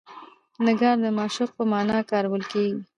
نګار د معشوق په معنی کارول کیږي.